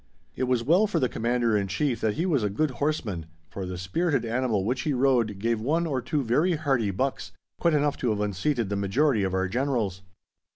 It was well for the Commander in Chief that he was a good horseman, for the spirited animal which he rode gave one or two very hearty bucks, quite enough to have unseated the majority of our Generals.